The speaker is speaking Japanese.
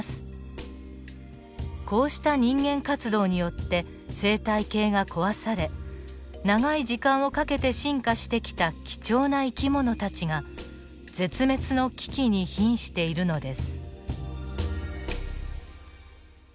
こうした人間活動によって生態系が壊され長い時間をかけて進化してきた貴重な生き物たちが絶滅の危機にひんしているのです。